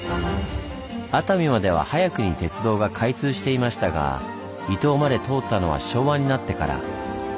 熱海までは早くに鉄道が開通していましたが伊東まで通ったのは昭和になってから。